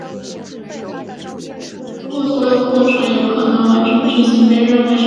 如果所有过程有可能完成执行被认为是安全的。